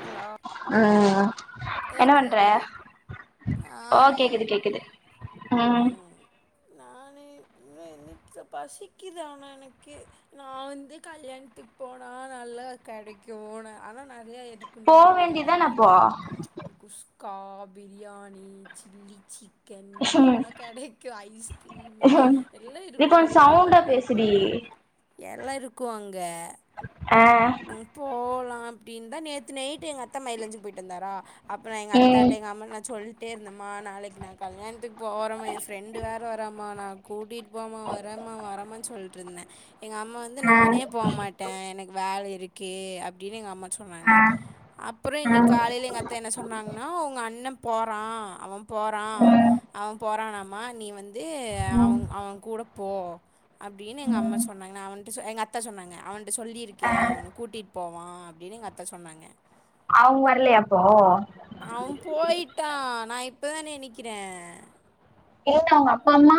Hello ஆ கேக்குதாடி ஓ நானே கேக்குது கேக்குது ம் நானே இன்ன இன்னிக்தா பசிக்குது ஆனா எனக்கே நா வந்து கல்யாணத்துக்கு போனா நல்லா கடைக்குனு ஆனா நறைய எ இருக்குன்டி போ நல்ல வித விதமா வேண்டிதான அப்போ இருக்கு kuska biryani chilli chicken எல்லா கெடைக்கு ஐஸ்கிரீமு எல்லா நீ கொஞ்ச இருக்குன்டி அங்க சவுண்டா பேசுடி எல்லா இருக்கு அங் க ஆ அங்க போலா அப்டின் தா நேத்து நைட்டு எங்கத்தா மைலஞ்சு போயிட்டு வந்தாரா அப்ப நா எங்க ம் அத்தாட்ட எங்கம்மட நா சொல் டே இருந்தம்மா நாளைக்கு நா கல்யாண்த்துக் போறமா எ ஃப்ரெண்டு வேற வராமா நா கூட்டிட்டு போமா வரேம்மா வரம்மான் சொல்ட்ருந்தே எங்க அம்மா வந்து ஆ நானே போ மாட்டே எனக்கு வேல இ இருக்கே அப்டின்னு எங்க அம்மா சொன்னாங்க ஆ அப்புறொ இன்னை ம் காலைல எங்கத் தா என்ன சொன்னாங்னா உங்க அண்ண போறா அவ போறா ம் அவ போறானாமா நீ வந் து அவ ம் அவ கூட போ அப்டின் எங்க அம்மா ம் சொன்னாங்க நா அவன்ட சொ எங்க அத்தா சொன்னாங்க டு ஆ சொல்லிருக்கே ஒன கூட்டிட் போவா அப்டின் எங்க அத்தா சொன்னாங்க அவுங் வர்லயா அப்போ நா இப்பதா நெனைக்கிறே என்ன உங்க அப்பாம்மா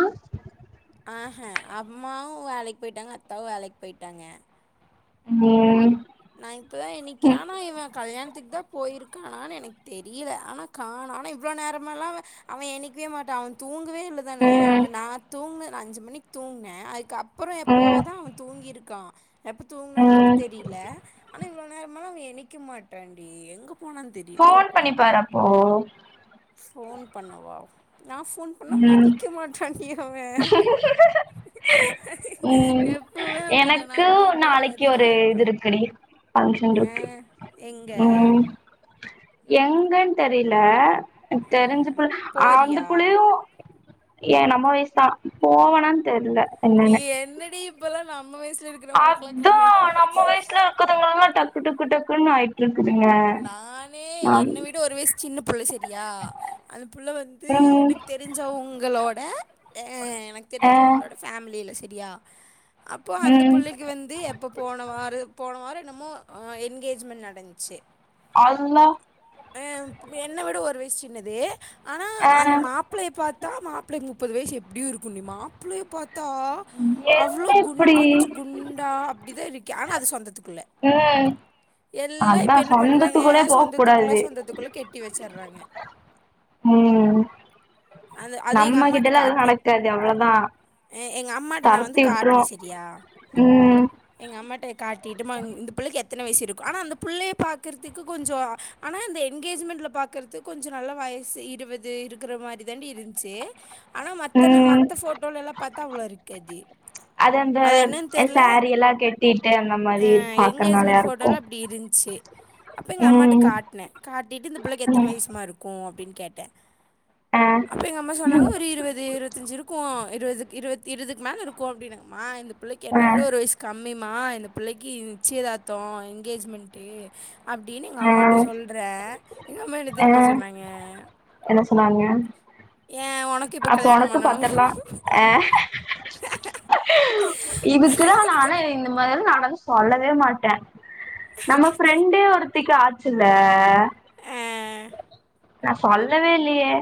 ஆஹ அம்மாவு வேலைக் போயிட்டாங்க அத்தாவு வேலைக் போயிட்டாங்க ம் நா இப்பதா எ நிக்கிறே ஆனா இவ கல்யாண்த்துக் தா போயிருக்கானான் எனக் தெரியில ஆனா காண ஆனா இவ்ளோ நேரமால்லா அவ அவ எனிக்கவே மாட்டா அவ தூங் ங்கவே இல்லதானே ம் அவ நா தூங்கு நா அஞ்சு மணிக் தூங்னே அதுக்கப் புறொ எப்பொவோ ம் தா அவ தூங்கிருக்கா எப்ப தூங்குனான் கூட ம் தெரில ஆனா இவ்வளவு நேரமலா அவ இனைக்க மாட்டான் டி எங்க போனான்னு தெரில ஃபோன் பண்ணிப்பாரப்போ ஃபோன் பண்ணவா நான் ஃபோன் பண்ணா ம் மதிக்க மாட்டான் டி அவெ ம் எப்போமே அப்படிதா நா எனக்கு கூப்பிட்டா நாளைக்கு மதிக்க ஒரு மாட்டா இது இருக்குடி ஃபங்க்ஷன் ஆ இருக்கு எங்க ம் எங்கன்னு தெரில தெரிஞ்ச புள்ள அந்த போறியா புள்ளையு ஏன் நம்ம வயசு தா போவனானு தெர்ல நீ என்னன்னு என்னடி இப்பலா நா அதா நம்ம வயசுல இருக்கதங்களா டக்கு டக்கு டக்கு டக்குனு ஆயிட்டு இருக்கு நானே என்ன விட ஒரு வயசு சின்ன புள்ள சரியா அந்தப்புள்ள வந்து ம் எனக்கு தெரிஞ்சவங்களோட அ எனக்கு ஆ தெரிஞ்சவங்களோட ஃபேமிலியில சரி யா அப்போ அந்த ம் புள்ளைக்கு வந்து எப்ப போனவாரு போனவாரு என்னமோ என்கேஜ்மெண்ட் நடந்துச்சு அல்லா ஆ என்ன விட ஒரு வயசு சின் என்னது அனா ஆ அந் மாப்பிளைய பாத்தா மாப்பிளை முப்பது வயசு எப்புடியு இருக்கும்டி மாப்புளய பாத் தா என்ன அவளோ குண் இப்டி கொஞ்சம் குண்டா அப்படிதா இருக்கு ஆனா அது சொந்தத்துக்குள்ள ம் எல்லா அதா இப் என்ன பண்றாங்க சொந்தத்துக்குள்ளே போக சொந்தத்துக்குள்ள கூடாது சொந்தத்துக்குள்ள கெட்டி வச்சறாங்க நம்மகிட்டலா எதுவு நடக்காது அவ்ளோதா எங்க அம்மாட்ட நா வந்து தரத்தி விட்ரு காட்டுனே சேரியா ம் எங்க அம்மாட்ட காட்டிட்டு மா இந்த புள்ளைக்கு எத் எத்தன வயசு இருக்கு ஆனா அந்த புள்ளைய பாகுறதுக்கு கொஞ்சோ ஆனா அந்த எங்கேஜ்மெண்ட்ல பாக்குறதுக்கு கொஞ்சோ நல்ல வயசு இருவது இருக்கிற மாரி இதாண்டி இருந்துச்சு ஆனா மத்தனா ம் மத்த ஃபோட்டோலலா பாத்தா அவ்வளோ இருக்காது அது என்னன்னு தெர்ல சாரி எல்லா கெட்டிட்டு அந்த ஆ மாரி பாக்குறனாலயா எங்கேஜ்மெண்ட் இருக்கு ஃபோட்டோல அப்டி இருந்துச்சு அப்ப எங்க அம்மாட்ட ம் காட்டுனேன் காட்டிட்டு இந்த புள்ளைக்கு எத்தன ம் வயசுமா இருக்கு அப்டின்னு கேட்டே ஆ அப்ப எங்க அம்மா சொன்னாங்க ஒரு இருவது இருவத்தஞ்சு இருக்கு இருவதுக்கு இருவ இருவத்தி இருவதுக்கு மேலே இருக்கு அப்படினு மா இந் புள்ளைக்கு ஆ என்ன விட ஒரு வயசு கம் கம்மிமா இந்த புள்ளைக்கு நிச்சயதார்த்தோ எங்கேஜ்மெண்ட்டு அப்டின்னு எங்க ஆ அம்மாட்ட சொல்ற எங்க அம்மா என்ன ஆ தெரியுமா சொன்னாங்க என்ன ஏன் உனக்கு இப்போ [inaudible] அப்ப கல்யாணம் உனக்கு பண்ணணும் பாத்தர்லா அ இதுக்குதா நானே இந்த மாரி ந தன் சொல்லவே மாட்ட நம்ம ஃப்ரெண்டே ஒருத் திக்கு ஆச்சுல அ நா சொல்லவே இல்லையே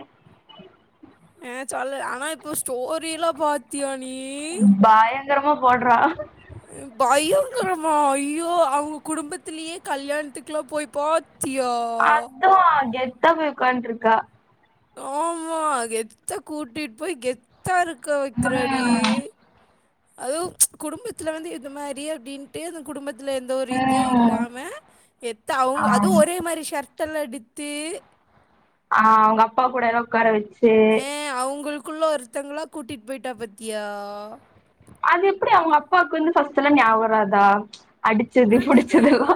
அ சொல்லு ஆனா இப்ப ஸ்டோரி எல்லா பாத்தியான் பாயா பயங்கரமா போடுறா பயங்குறமா ஐயோ அவுங்க குடும்பத்திலயே கல்யாணத்துக்கு எல்லா போய் பாத் அதா கெத் த்தா போய் உக்கான்ட்ருக்கா ஆமா கெத்தா கூட்டிட் போய் கெத் கெத்தா இருக்க வெக்குறாடி அது குடும்பத்துல வந்து இந்த மாதரி அப்டின்ட்டு அந்த குடும்பத் எந்த ஒரு இது இல்லாம கெத்தா அவுங்க அது ஆம் ஒரே மாரி சர்ட் கட்டலடித்து ஆ அவங்க அப்பா கூட எதோ உக்கார வெச் அ அவுங்களுக் க்குள்ள ஒருத்தவங்களா கூட்டிட் போயிட்டா பாத்தியா அது எப்டி அவுங்க அப்பாக்கு வந்து ஃபஸ்ட் எல்லா ஞியாவ் வராதா அடிச்சது அதுதா புடிச்சதெல்லா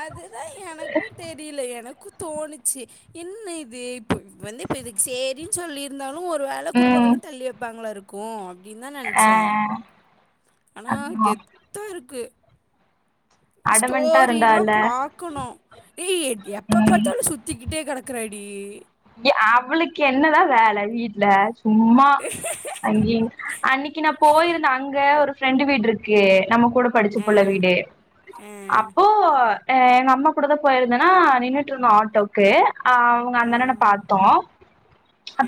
அதுதா எனக்கு தெரியில எனக் க்கு தோணுச்சு என்ன இது இப்ப வந்து இதுக்கு சேரின் சொல்லிருந் ந்தாலு ஒரு வேல குடும்பத்துல இருந்து தள்ளி வெப்பாங்களா இருக் கு அப் அப்டின்தா ஆ நெனச்ச ஆனா ஆமா கெத்தா இருக் க்கு அடமென்ட்டா ஸ்டோரி இருந்தால எல்லாம் பாக்கணு ஏ எப்ப பாத்தாலு சுத்திக்கிட்டே கெடக்குறாடி டி டி அவுளுக்கு என்னதா வேல வீட்ல சும்மா அங்க அன்னிக்கு நா போயிருந்தேன் அங்க ஒரு ப்ரெண்டு வீடு இருக்கு நமக்கு கூட படிச்சு ஆ, போள்ள வீடு ஆ, அப்போ எங்க அம்மா கூட தான் போயிருந்தனா நின்ட்டு இருந்தோம் ஆட்டோக்கு ஆ அவுங்க ஆ, அந்த ந பாத்தோம்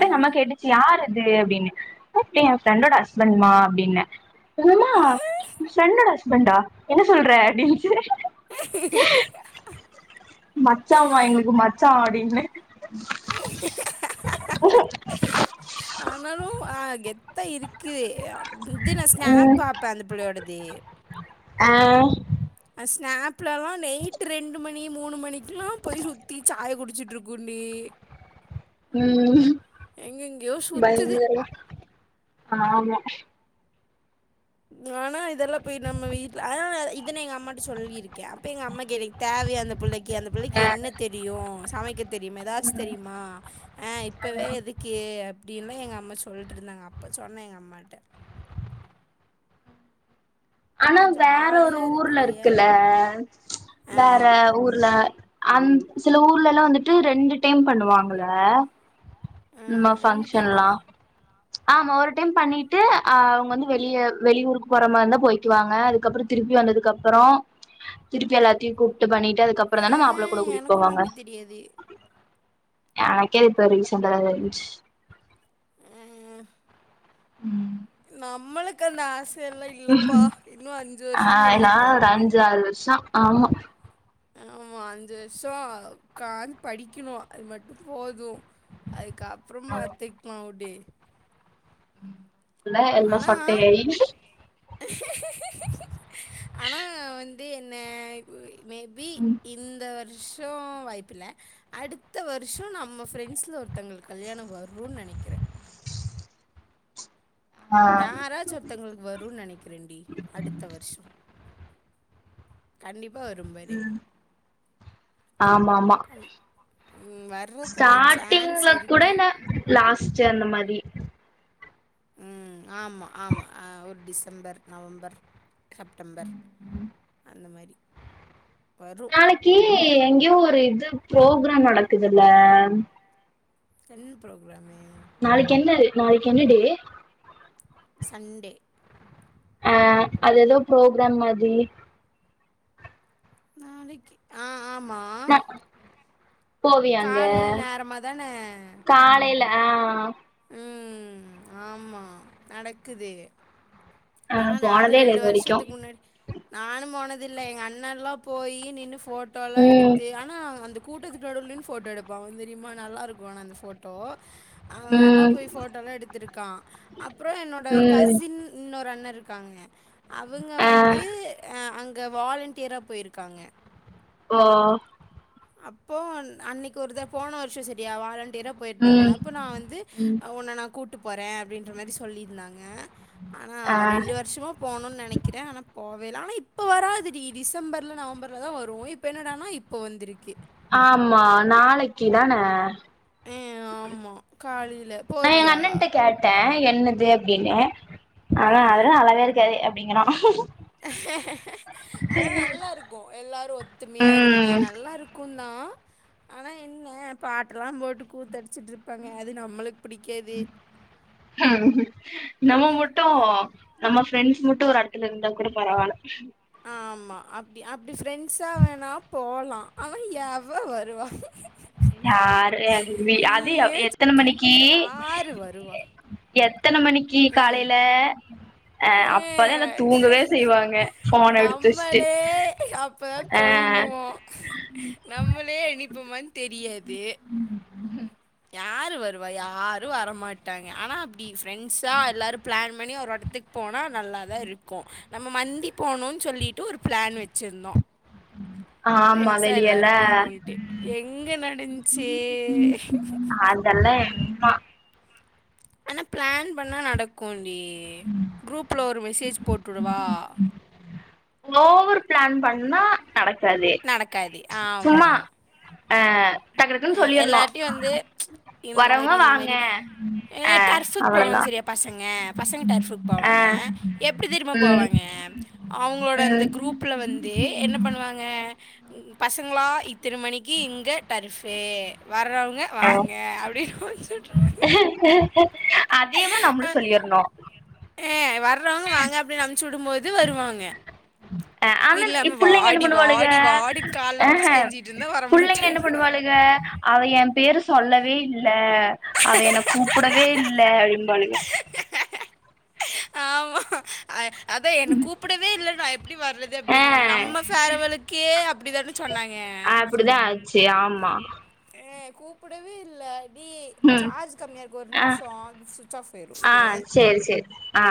ஆ. எங்க அம்மா கேட்டுச்சி யாரு அது அப்படினு அப்ப எ ப்ரெண்டோட ஹஸ்பண்ட் மாஅப்படினமா என் மா ப்ரெண்டோட ஹஸ்பண்டா என்ன சொல்ற அப்படினு மச்சாமா எங்களுகு மச்சான் அப்டினு ஆனாலு ஆகேத் த்த யிருக்கு இது நான் ஸ்நாக் ம் பாப்பேன் அந்த பிளையோடது ஆ ஸ்நாலாம் நைட்டு் ரெண்டு மணி மூணு மணிக்கெலாம் போயி சுத்தி சாய் குடிச்ருக்குண்டீ ம் சுற்றுது பயங்கர ஆ ஆம்மா ஆனா யிதெல்லா போயி நம்ம வீட்டுல ஆனா இதன எங்க அம்மாட்ட சொல்லியிருகே அப்ப எங்க அம்மாக் எனக்கு தேவைய அந்த பிளைக்கு க்ய அந்த புள்ளைக்கு என்ன தெரியே சமைக்க தெரியுமா ஏதாச்சி தெரியுமா ஹ இபவே எதுக்கு அபடினா எங்க அம்மா சொல்லிட்டு யிருந்தாங்க அப்ப சொன்னே எங்க அம்மாகிட்ட ஆனா வேற ஜாலியா ஒர்ஊர்ல இருக்குது ஏன் யிருக்குல ஆ வேற ஊர்ல அந்த் சில ஊர்ல யில்லா வந்துட்டு ரெண்டு டைம் பணுவாங்கள ஆ, உம்மா ரெண்டு டைமா பங்க்ஷன்லாம் ஆம்மா ஒரு டைம் பணிட்டு ஹ அவங்க வந்து வெளிய வெளியூரு போறமாரி யிருந்தா போய்டுவாங்க அதுகபுற திருப்பி வந்ததுகுபுற திருப்பி எல்லாதையு கூப்பிடு பணிட்டு அதுகப்புற ஆ தானே மாப்பிள கூட கூட்டிடு எனக்கு ஒன்றும் போவாங்க அப்படி தெரியாது ஆக்க இப்ப ரீசன் த சலஞ்சி ஆ, ம் நமளுக்கு நா ஆஸ் சல்லா யில்லபா இன்னு அஞ்சு வருஷ கழியட்டு ச ஆம்மா ஆம்மா அஞ்சு வருஷ உகாந்து படிகணு அது மட்டும் போது அதுகு அப்புற பாத்துக்லா அபடியே ம் இல்ல எந்த ஆனா சொட்டையா ஆனா வந்து யின்ன மேபி இந்த வருஷ் ஷே வருஷம் வாய்பில்ல அடுத்த வருஷம் நம்ம ப்ரெண்ட்ல ஒருதங்கலுகு கல்யாணம் வருன்னு நினகிறே ஆ யாரா ச்சி ஒத்தவகலுகு வரும்னு நினக்கிறேடி அடுத்த வருஷ கண்டிப் ஆம்மா ஆம்மா கண் ம், வர்றக்கூடிய சான்ஸ் ஸ்டார்டிங்ல கூட இருக்குது ன்ன லாஸ்ட் அந்த மாரி ம் ஆம்மா ஆம்மா ஒரு டிசம்பர் நவம்பர் செப்டம்பர் அந்த மாதிரி நாளைக்கு எங்கேயோ ஒரு இது ப்ரோ க்ராம் நடக்குதுல்ல என்ன ப்ரோக்ராம் நாளைக்கு என்ன நாளைக்கு என்ன டி சண்டே ஆஹ அது ஏதோ ப்ரோக்ராம் மாிரி நாளைக்கு ஆஹ் ஆமா [inaudible] போவியாங்க காலையில நேரமா தான? காலைல ம் ஆமாம் நடக்குது ஆ ஆனா நானும் போனதே இல்ல ரெண்டு இது வரைக்கு வருஷத்துக்கு முன்னாடி நானும் போனது இல்ல எங்க அண்ணா எல்லாம் போய் நின்னு போட்டோலாம் ம் எடுத்து ஆனா அந்த கூட்டத்துநடுவுலநின்னு போபட்டோ எடுப்பேன் தெரியுமாரியமா நல்லாருக்கும் அந்த ஃபோட்டோ அவெல்லாம் ம் போய் போட்டோல்லாம் எடுத்திருக்கான் அப்புறம் என்னோட ம் கசின் இன்னொரு அ இருக்காங்க அவுங்க ஆ வந்து ஆ அங்க அங்க வாலண்டியரா போயிருக்காங்க ஹ அப்போ அன்னைக்கு ஒரு தட போன வருஷம் சரியா வாழ போயிருந்தாங்க ம் அப்ப நான் வந்து ம் உன்ன நான் கூட்டட்டு போறேன் அப்படின்ற மாதிரி சொல்லியிருந்தாங்க [inaudible] ஆனா ஆ ரெண்டு வருஷமும் போகணும்னு நினைக்கிறேன் ஆனா போவேன் வேலா ஆனா இப்ப வராது டிசம்பர்ல நவம்பர்லதா வரும் இப்ப என்னடன்னா இப்ப வந்திருக்கு ஆமா நாளைக்கு தான ம் ஆமா காலைல நா எங்க அண்ணன்ட்ட கேட்டே என்னது என்ன ஆனா அதுல அழகா இருக்காது அப்டிங்கறா ஆனா நல்லா இருக்கு எல்லாரு ஒத்துமையா இருந்து ம் நல்லா இருக்கு ஆனா என்ன பாட்டலாம் போட்டு கூத்தடிச்சுட்டு இருப்பாங்க அது நம்மளுக்கு பிடிக்காது ம் நம்ம மட்டு நம்ம ஃப்ரெண்ட்ஸ் மட்டும் ஒரு எடத்துல இருந்தா கூட பரவாயில்ல ஆமா அப்டி அப்டி ஃப்ரெண்ட்ஸா வேணா போலா ஆனா எவ வருவா ஆ ஏ அது நீயே சொ எத்தன மணிக்கு யாரு வருவா? எ எத்தன மணிக்கு ஏ காலேல அ ஏ அப்பதா எல்லா தூங்கவே செய்வாங்க போன எடுத்துவச்சுட்டு நம்மளே அப்பதான் அ இப்போ தெரியாது [inaudible] யார் வருவா யாரு வரமாட்டாங்க ஆனா அப்டி ஃப்ரெண்ட்ஸா எல்லாரு பிளான் பண்ணி ஒரு இடத்துக்கு போனா நல்லா தா இருக்கு நம்ம மந்தி போணுனு சொல்லிட்டு ஒரு பிளான் வச்சிருந்தோ ஆமா பிரெண்ட்ஸா வெளியல எல்லாரும் போனும்ன்ட்டு எங்க நடந்துச்சு அதெல்லா எ ஆனா பிளான் பண்ணா நடக்கு அப்டி குரூப்ல ஒரு மெசேஜ் போட்டுவிடவா ஓவர் பிளான் பண்ணா நடக்காது நடக்காது சும்மா ஆ அ எல்லாருட்டியு வந்து ம்ச் இந்த மாரி வரவங்க இந்த வாங்க மாரி ஏ அ டர்ஃப்க் போவாங்க அவ்ளதா சேரியா பசங்க பசங்க டர்ஃப்க்கு அ போவாங்க எப்டி தெரியுமா ம் போவாங்க அவங்களோட அந்த ம் குரூப்புல வந்து என்ன பண்ணுவாங்க அ பசங்களா இத்தன மணிக்கு இங்க டர்ஃப் பே வர்றவங்க அ வாங்க அப்டின் முடுச்சுட்ருவாங்க அதேமா நம்மளு சொல்லிருணு ம் சுடும்போது வருவாங்க அ ஆனந் இல்லாம இப் புள்ளைக என்ன வாடி பண்ணுவாளுக வாடி வாடின்னு கால்ல புடிச்சு அஹே கெஞ்சிட்டு இருந்தா புள்ளைங்க என்ன வரமாட்டாங்க. பண்ணுவாளுக அவ எம் பேரு சொல்லவே இல்ல அவ எ கூப்புடவே இல்ல அப்புடிம்பாளுக ஆமா அ அதா என கூப்புடவே இல்ல நா எப் எப்டி வர்து ஆ அப்புடிங்குவாங் நம்ம ஃபேர்வலுக்கே அப்புடிதான சொன்னாங்க அப்டிதா ஆச்சு ஆமா கூப்புடவே இல்ல டி ம் சார்ஜ் கம்மியா இருக்கு ஒரு ஆ நிம்ஷோ சுவிச் ஆஃப் ஆயுரு ஆ இரு சேரி சேரி ஆ